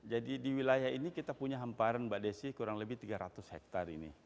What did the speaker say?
jadi di wilayah ini kita punya hamparan mbak desy kurang lebih tiga ratus hektar ini